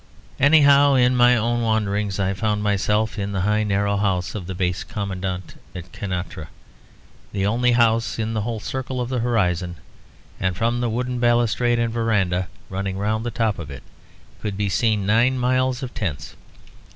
Anyhow in my own wanderings I found myself in the high narrow house of the Base Commandant at Kantara, the only house in the whole circle of the horizon; and from the wooden balustrade and verandah, running round the top of it, could be seen nine miles of tents.